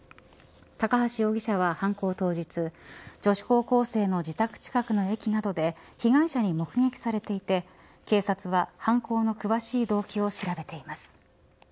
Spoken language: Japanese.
高橋容疑者は犯行当日女子高校生の自宅近くの駅などで被害者に目撃されていて警察は犯行の詳しい動機を調べています。